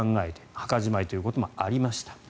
墓じまいということもありました。